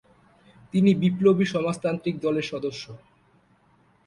তিনি বিপ্লবী সমাজতান্ত্রিক দলের সদস্যা।